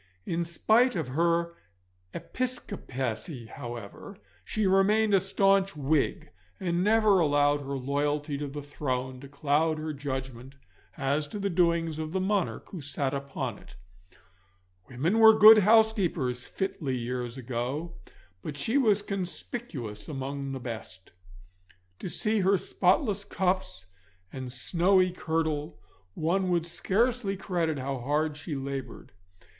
In spite of her Episcopacy, however, she remained a staunch Whig, and never allowed her loyalty to the throne to cloud her judgment as to the doings of the monarch who sat upon it. Women were good housekeepers fitly years ago, but she was conspicuous among the best. To see her spotless cuffs and snowy kirtle one would scarce credit how hard she laboured.